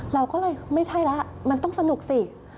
เราก็เลยไม่ใช่แล้วมันต้องสนุกสิ